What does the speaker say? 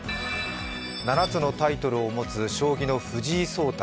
７つのタイトルを持つ将棋の藤井聡太